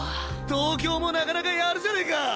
東京もなかなかやるじゃねぇか！